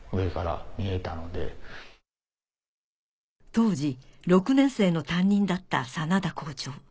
当時６年生の担任だった眞田校長